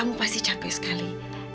kamu pasti capek sekali